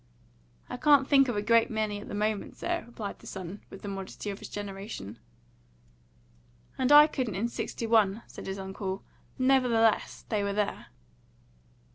"I can't think of a great many at the moment, sir," replied the son, with the modesty of his generation. "And I couldn't in '61," said his uncle. "Nevertheless they were there."